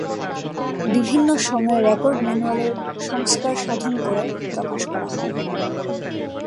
বিভিন্ন সময়ে রেকর্ড ম্যানুয়ালের সংস্কার সাধন করে প্রকাশ করা হয়।